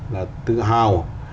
là tự hào